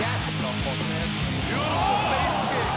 หน้าสะเมืองยังหมดนี้ว้าว